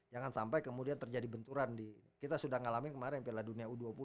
jangan sampai kemudian terjadi benturan di kita sudah ngalamin kemarin piala dunia u dua puluh